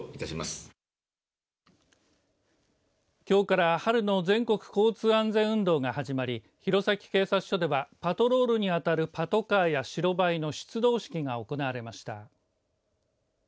きょうから春の全国交通安全運動が始まり弘前警察署ではパトロールにあたるパトカーや白バイの出動式が行われました。